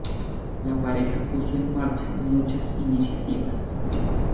La pareja puso en marcha muchas iniciativas.